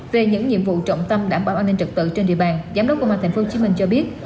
về những nhiệm vụ trọng tâm đảm bảo an ninh trật tự trên địa bàn giám đốc công an tp hcm cho biết